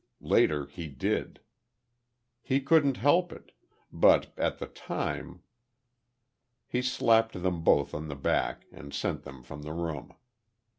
Later he did. He couldn't help it. But at that time He slapped them both on the back, and sent them from the room.